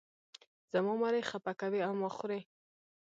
زما مرۍ خپه کوې او ما خورې.